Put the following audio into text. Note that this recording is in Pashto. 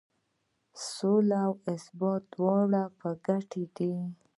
سوله او ثبات د دواړو په ګټه دی.